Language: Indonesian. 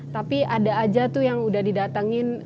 tapi ada aja tuh yang udah didatengin